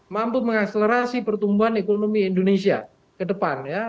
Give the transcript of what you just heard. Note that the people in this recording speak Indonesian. mampu mengakselerasi pertumbuhan ekonomi indonesia ke depan